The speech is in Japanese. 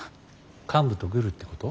幹部とグルってこと。